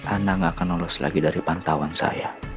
anda tidak akan lulus lagi dari pantauan saya